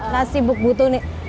nasi buk butuni